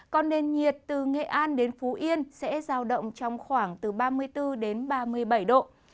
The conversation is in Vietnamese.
còn nền nhiệt từ nghệ an đến phú yên sẽ giao động trong khoảng từ ba mươi bốn đến ba mươi bảy độ